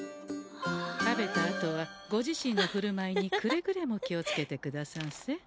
食べたあとはご自身のふるまいにくれぐれも気を付けてくださんせ。